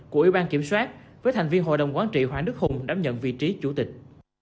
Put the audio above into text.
của ủy ban kiểm soát với thành viên hội đồng quán trị hoàng đức hùng đảm nhận vị trí chủ tịch